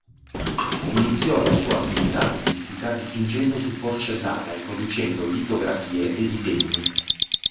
Iniziò la sua attività artistica dipingendo su porcellana e producendo litografie e disegni.